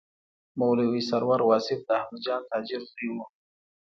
مولوي سرور واصف د احمدجان تاجر زوی و.